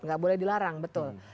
nggak boleh dilarang betul